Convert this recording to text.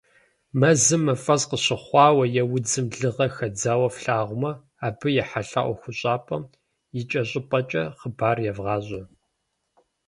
Мэзым мафӀэс къыщыхъуауэ е удзым лыгъэ хадзауэ флъагъумэ, абы ехьэлӏа ӀуэхущӀапӀэм икӏэщӏыпӏэкӏэ хъыбар евгъащӀэ!